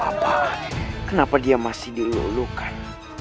apa kenapa dia masih dilulukan